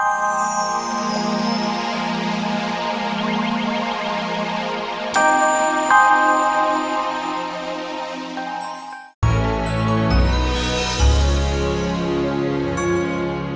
lupa nanti kita ketemu